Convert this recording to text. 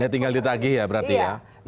tinggal ditagih ya berarti ya